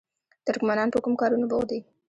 ترکمنان په کومو کارونو بوخت دي؟